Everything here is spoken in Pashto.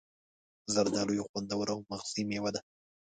زردآلو یو خوندور او مغذي میوه ده.